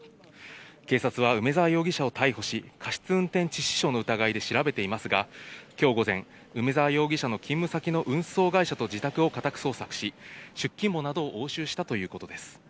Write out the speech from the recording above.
警察は梅沢容疑者を逮捕し、過失運転致死傷の疑いで調べていますが、きょう午前、梅沢容疑者の勤務先の運送会社と自宅を家宅捜索し、出勤簿などを押収したということです。